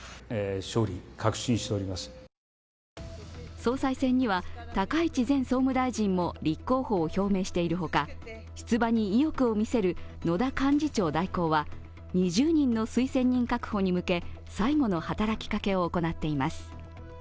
総裁選には高市前総務大臣も立候補を表明しているほか出馬に意欲を見せる野田幹事長代行は２０人の推薦人確保に向け、最後の働きかけを行っています。